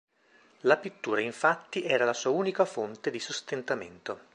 La pittura infatti era la sua unica fonte di sostentamento.